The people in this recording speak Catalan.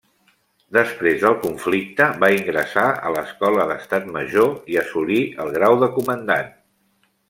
Després del conflicte va ingressar a l'Escola d'Estat Major i assolí el grau de comandant.